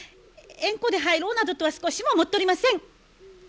縁故で入ろうなどとは少しも思っておりません。